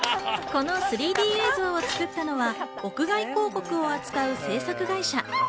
この３Ｄ映像を作ったのは屋外広告を扱う制作会社。